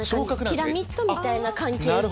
ピラミッドみたいな関係性。